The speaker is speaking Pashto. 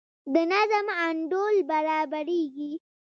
د نظم انډول برابریږي.